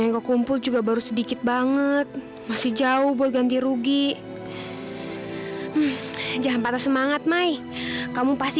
saya kumpulin duit ini capek capek bang buat saya bayar utang